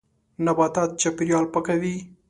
نباتات چاپېریال پاکوي.